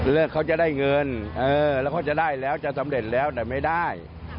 เขาจะได้เงินเออแล้วเขาจะได้แล้วจะสำเร็จแล้วแต่ไม่ได้